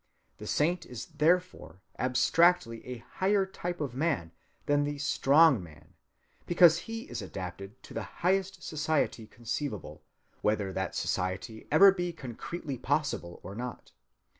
The saint is therefore abstractly a higher type of man than the "strong man," because he is adapted to the highest society conceivable, whether that society ever be concretely possible or not.